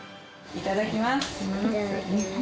いただきます。